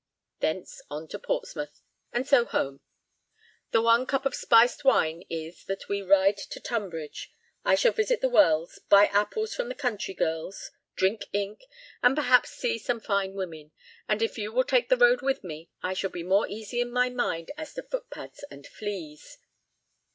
Thence on to Portsmouth, and so home. The one cup of spiced wine is that we ride by Tunbridge; I shall visit The Wells, buy apples from the country girls, drink ink, and perhaps see some fine women. And if you will take the road with me, I shall be more easy in my mind as to footpads and fleas."